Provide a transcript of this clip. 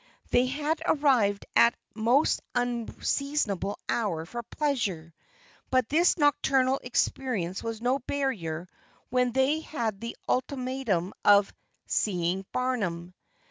They had arrived at a most unseasonable hour for pleasure, but this nocturnal experience was no barrier when they had the ultimatum of "seeing Barnum."